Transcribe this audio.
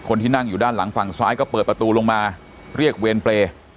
คนที่นั่งอยู่ด้านหลังฝั่งซ้ายก็เปิดประตูลงมาเรียกเวรเปรย์